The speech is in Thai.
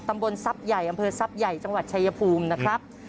ตำบลทรัพย์ใหญ่อำเภอทรัพย์ใหญ่จังหวัดชายภูมินะครับ